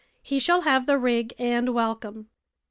He shall have the rig and welcome."